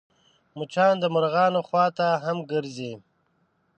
مچان د مرغانو خوا ته هم ګرځي